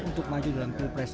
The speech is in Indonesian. untuk maju dalam kepres